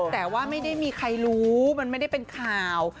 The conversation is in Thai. แต่ว่าไม่ได้มีใครรู้มันไม่ได้เป็นข่าว